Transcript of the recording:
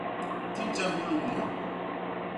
Kinje huluk nu!.